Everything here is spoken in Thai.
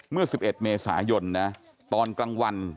เมื่อ๑๑เมษายนนะตอนกลางวัน